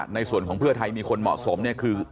ในส่วนของเพื่อไทยมีคนเหมาะสมเนี่ยคือ